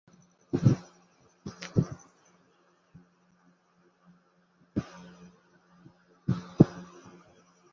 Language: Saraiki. پاݨی اِچ وڑ تے پھین٘گیں کنیں ݙرݨا